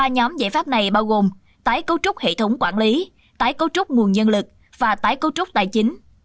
ba nhóm giải pháp này bao gồm tái cấu trúc hệ thống quản lý tái cấu trúc nguồn nhân lực và tái cấu trúc tài chính